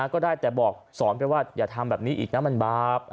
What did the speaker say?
ก็ได้แต่บอกสอนไปว่าอย่าทำแบบนี้อีกนะมันบาป